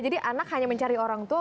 jadi anak hanya mencari orang tua